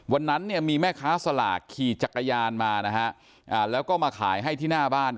วันนั้นเนี่ยมีแม่ค้าสลากขี่จักรยานมานะฮะแล้วก็มาขายให้ที่หน้าบ้าน